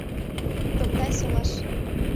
— Токтай-Солаш...